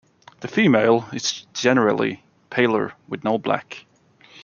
The female is generally paler, with no black.